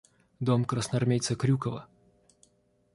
– Дом красноармейца Крюкова.